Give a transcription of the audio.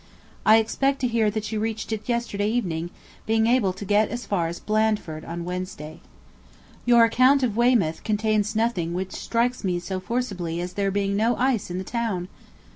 I expect to hear that you reached it yesterday evening, being able to get as far as Blandford on Wednesday. Your account of Weymouth contains nothing which strikes me so forcibly as there being no ice in the town.